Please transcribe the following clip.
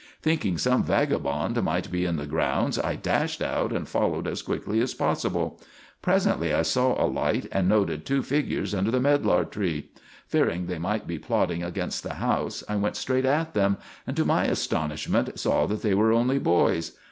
Thinking some vagabond might be in the grounds, I dashed out and followed as quickly as possible. Presently I saw a light, and noted two figures under the medlar tree. Fearing they might be plotting against the house, I went straight at them, and, to my astonishment, saw that they were only boys.